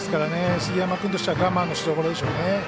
杉山君としては我慢のしどころでしょうね。